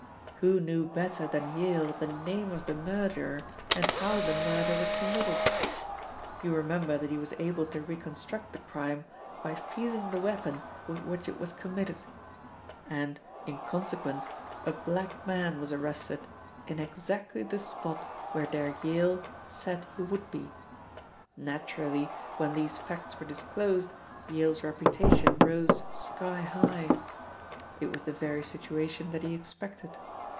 "Who knew better than Yale the name of the murderer and how the murder was committed? You remember that he was able to reconstruct the crime by feeling the weapon with which it was committed. And, in consequence, a black man was arrested, in exactly the spot where Derrick Vale said he would be. Naturally when these facts were disclosed Yale's reputation rose sky high. It was the very situation that he expected.